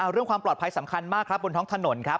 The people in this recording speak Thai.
เรื่องความปลอดภัยสำคัญมากครับบนท้องถนนครับ